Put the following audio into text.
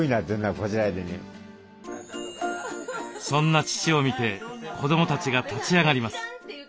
そんな父を見て子どもたちが立ち上がります。